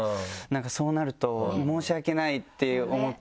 そうなると申し訳ないって思っちゃって。